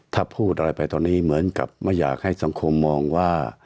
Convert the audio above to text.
ถ้าพูดอะไรไปตอนนี้เหมือนกับไม่อยากให้สังคมมองว่า